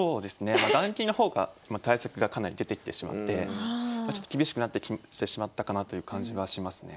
まあ雁木の方が対策がかなり出てきてしまってちょっと厳しくなってきてしまったかなという感じはしますね。